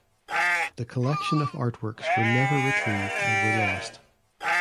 The collection of art works were never retrieved and were lost.